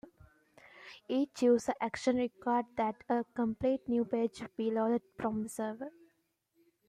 Each user action required that a complete new page be loaded from the server.